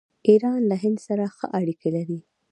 ایران له هند سره ښه اړیکې لري.